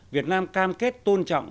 việt nam cam kết tôn trọng